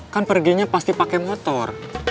kan perginya pasti pakai motor